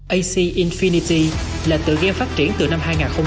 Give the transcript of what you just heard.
ac infinity là tựa game phát triển từ năm hai nghìn một mươi tám